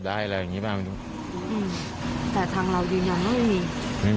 ไม่มีการทำร้ายใคร